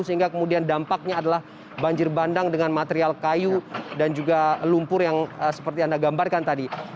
sehingga kemudian dampaknya adalah banjir bandang dengan material kayu dan juga lumpur yang seperti anda gambarkan tadi